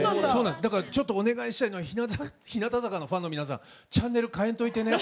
お願いしたいのは、日向坂のファンの皆さんチャンネル変えんといてね。